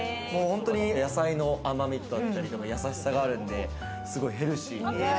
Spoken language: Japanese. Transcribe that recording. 本当に野菜の甘みだったりとか優しさがあるんで、すごいヘルシー。